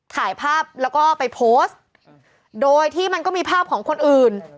ถ่ายภาพแล้วก็ไปโพสต์โดยที่มันก็มีภาพของคนอื่น